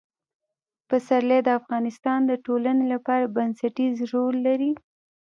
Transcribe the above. پسرلی د افغانستان د ټولنې لپاره بنسټيز رول لري.